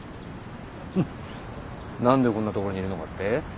何でこんなところにいるのかって？